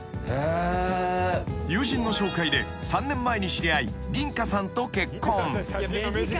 ［友人の紹介で３年前に知り合い凛香さんと結婚］